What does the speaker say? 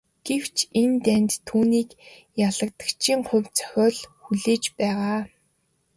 Гэвч энэ дайнд түүнийг ялагдагчийн хувь зохиол хүлээж байгаа.